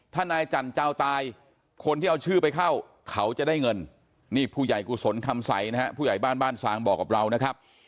ถ้านายจันเจ้าตายคนที่เอาชื่อไปเข้าเขาจะได้เงินนี่ผู้ใหญ่กุศลคำใสนะฮะผู้ใหญ่บ้านบ้านซางบอกกับเรานะครับ